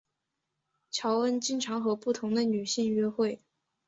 乔恩经常和不同的女性约会。